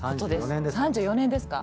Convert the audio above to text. ３４年ですか！